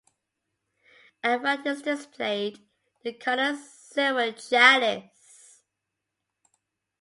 At right is displayed the color silver chalice.